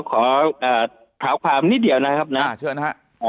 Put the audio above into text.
ขอถามความนิดเดียวนะครับนะเชิญนะฮะ